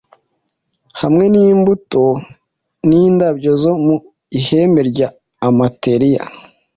Hamwe nimbuto nindabyo zo mu ihembe rya Amaltheya,